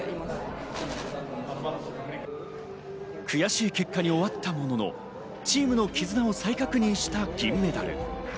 悔しい結果に終わったものの、チームの絆を再確認した銀メダル。